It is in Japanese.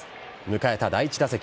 迎えた第１打席。